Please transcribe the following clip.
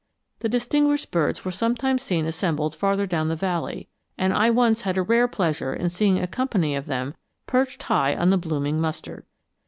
The distinguished birds were sometimes seen assembled farther down the valley; and I once had a rare pleasure in seeing a company of them perched high on the blooming mustard.